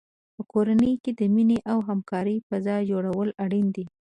په کورنۍ کې د مینې او همکارۍ فضا جوړول اړین دي.